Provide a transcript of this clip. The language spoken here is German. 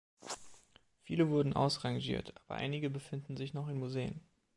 Viele wurden ausrangiert, aber einige befinden sich noch in Museen.